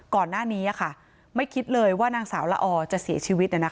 ก่อนหน้านี้ค่ะไม่คิดเลยว่านางสาวละอจะเสียชีวิตน่ะนะคะ